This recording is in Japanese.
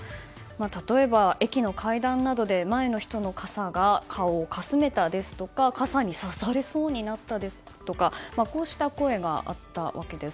例えば、駅の階段などで前の人の傘が顔をかすめたですとか傘に刺されそうになったですとかこうした声があったわけです。